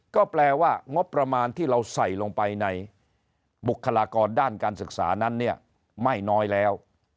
ก็แปลว่างบประมาณที่เราใส่ลงไปในบุคลากรด้านการศึกษานั้นเนี่ยไม่น้อยแล้ว